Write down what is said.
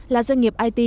là doanh nghiệp it